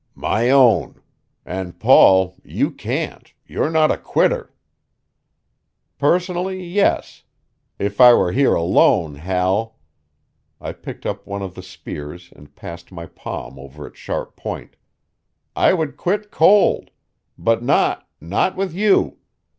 "My own. And, Paul, you can't you're not a quitter." "Personally, yes. If I were here alone, Hal" I picked up one of the spears and passed my palm over its sharp point "I would quit cold. But not not with you.